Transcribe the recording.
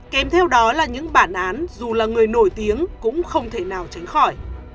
kèm theo đó là những bản án dù là người nổi tiếng cũng không thể nào tránh khỏi